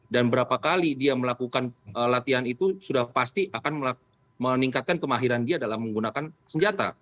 dan berapa kali dia melakukan latihan itu sudah pasti akan meningkatkan kemahiran dia dalam menggunakan senjata